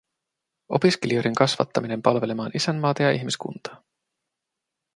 Opiskelijoiden kasvattaminen palvelemaan isänmaata ja ihmiskuntaa.